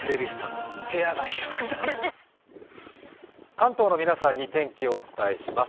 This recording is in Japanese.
関東の皆さんに天気をお伝えします。